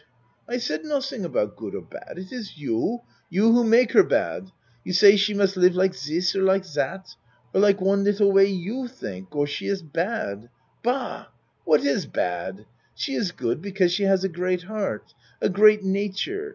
I said nossing about good or bad. It iss you you who make her bad. You say she must live like zis or like zat or like one little way you think or she iss bad! Bah! What is bad? She iss good because she has a great heart a great nature.